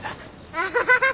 アハハハハ！